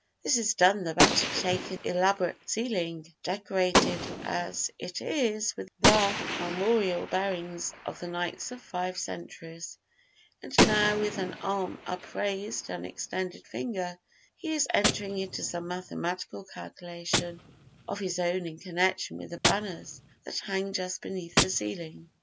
This is done the better to take in the elaborate ceiling, decorated as it is with the armorial bearings of the knights of five centuries, and now, with arm upraised and extended finger, he is entering into some mathematical calculation of his own in connection with the banners that hang just beneath the ceiling.